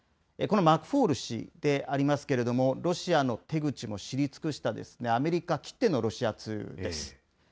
このマクフォール氏でありますけれども、ロシアの手口も知り尽くしたアメリカきってのロシア通です。